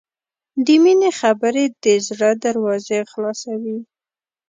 د مینې خبرې د زړه دروازې خلاصوي.